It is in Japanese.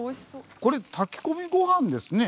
これ炊き込みご飯ですね。